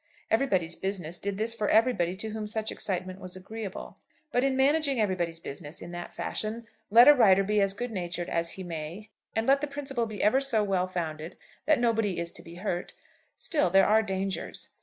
'Everybody's Business' did this for everybody to whom such excitement was agreeable. But in managing everybody's business in that fashion, let a writer be as good natured as he may and let the principle be ever so well founded that nobody is to be hurt, still there are dangers.